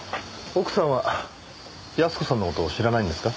奥さんは康子さんの事を知らないんですか？